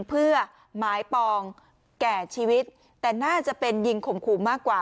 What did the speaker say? เพื่อหมายปองแก่ชีวิตแต่น่าจะเป็นยิงข่มขู่มากกว่า